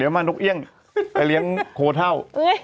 ใส่มาน้องเบี้ยงไปเลี้ยงโคเทา